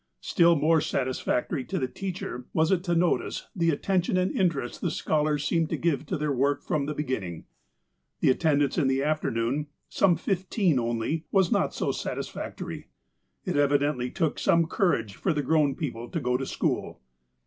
Still more satisfactory to the teacher was it to notice the atten tion and interest the scholars seemed to give to their work from the beginning. The attendance in the afternoon, some fifteen only, was not so satisfactory. It evidently took some courage for the grown people to go to school.